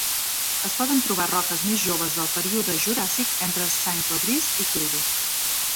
Es poden trobar roques més joves del període Juràssic entre Saint Audries i Kilve.